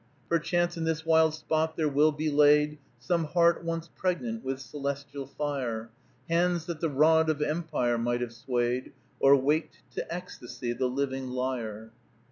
"Perchance in this wild spot there will be laid Some heart once pregnant with celestial fire; Hands that the rod of empire might have swayed, Or waked to ecstasy the living lyre."